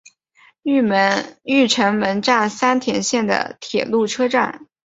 御成门站三田线的铁路车站。